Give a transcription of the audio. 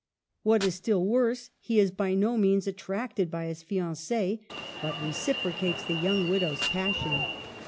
What is still worse, he is by no means attracted by his fiancte, but reciprocates the young widow's pas sion.